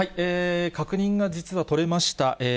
確認が実は取れました。